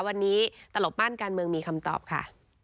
วันนี้ตลบม่านการเมืองมีคำตอบค่ะ